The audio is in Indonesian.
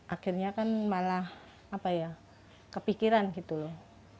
akhirnya kan malah kepikiran gitu loh